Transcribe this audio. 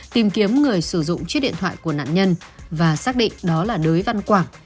tìm kiếm người sử dụng chiếc điện thoại của nạn nhân và xác định đó là đới văn quảng